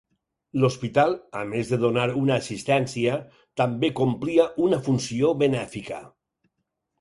L'hospital, a més de donar una assistència, també complia una funció benèfica.